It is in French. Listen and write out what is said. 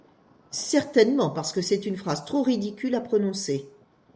Certainement parce que c'est une phrase trop ridicule à prononcer.